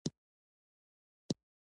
یو ساده، یادېدونکی او مسلکي نوم غوره کړه.